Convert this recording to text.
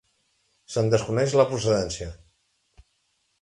Se'n desconeix la procedència.